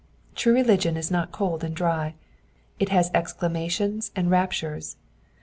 True religion is not cold and dry ; it has its exclamations and raptures.